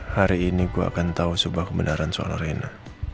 hari ini gue akan tahu sebuah kebenaran soal arena